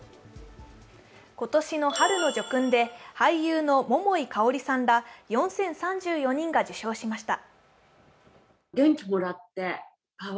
今年の春の叙勲で俳優の桃井かおりさんら４０３４人が受章しました。